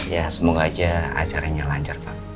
ya semoga aja acaranya lancar pak